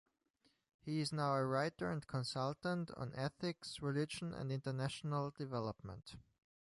He is now a writer and consultant on ethics, religion and international development.